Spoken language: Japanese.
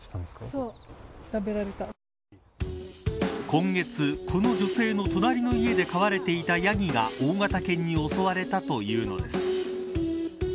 今月、この女性の隣の家で飼われていたヤギが大型犬に襲われたというのです。